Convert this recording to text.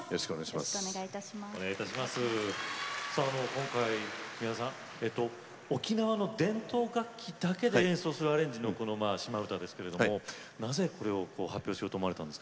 今回宮沢さん沖縄の伝統楽器だけで演奏するアレンジのこの「島唄」ですけれどもなぜこれを発表しようと思われたんですか？